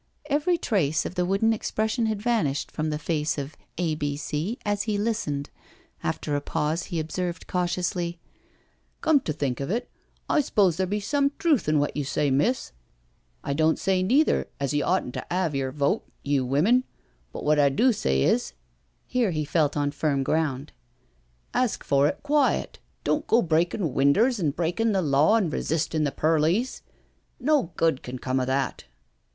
Every trace of the wooden expression had vanished from the face of A. B. C. as he listened. After a pause he observed cautiously: " Come to think of it, I s'pose there be some truth in what you say, miss, I don't say neither as you 78 NO SURRENDER oughtn't to 'ave yer vote, you women, but what I do say is '*— here he felt on firm ground—*' ask for it quiet —don't go breakin' winders an* breakin' the law an' resisting the perlice. No good can come of that."